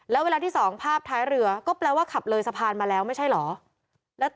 แล้วเวลาที่สองภาพท้ายเรือก็แปลว่าขับเลยสะพานมาแล้วไม่ใช่เหรอ